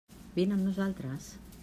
Vine amb nosaltres.